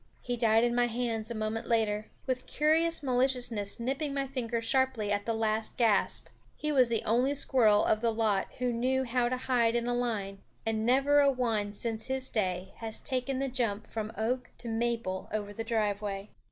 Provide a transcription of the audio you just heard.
He died in my hands a moment later, with curious maliciousness nipping my finger sharply at the last gasp. He was the only squirrel of the lot who knew how to hide in a line; and never a one since his day has taken the jump from oak to maple over the driveway.